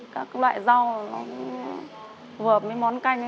các loại rau nó cũng phù hợp với món canh